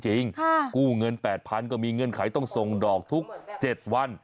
กู้เงิน๘๐๐ก็มีเงื่อนไขต้องส่งดอกทุก๗วัน